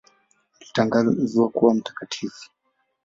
Alitangazwa kuwa mtakatifu.